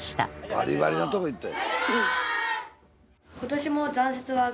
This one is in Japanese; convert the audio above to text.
バリバリのとこ行った。